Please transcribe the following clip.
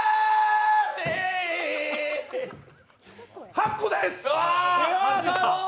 ８個です。